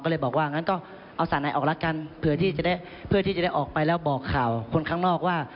ก็เลยบอกว่างั้นก็เอาส่าหนัยออกละกันเผื่อที่จะได้ออกไปแล้วบอกข่าวคนข้างนอกว่า